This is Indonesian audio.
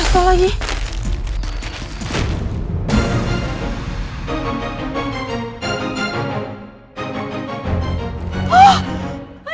kalau secara berjalanan tak mungkin pasang ke bidang lain